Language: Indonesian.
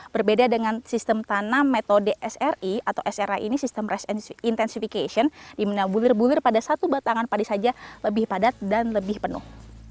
berbeda dengan sistem tanam metode sri atau sri ini sistem rice intenshification di mana bulir bulir pada satu batangan padi saja lebih padat dan lebih penuh